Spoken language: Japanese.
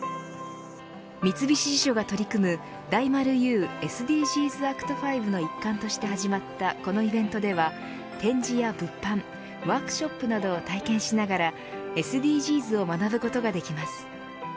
三菱地所が取り組む大丸有ＳＤＧｓＡｃｔ５の一環として始まったこのイベントでは展示や物販、ワークショップなどを体験しながらＳＤＧｓを学ぶことができます。